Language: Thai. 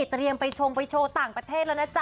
เตรียมไปชงไปโชว์ต่างประเทศแล้วนะจ๊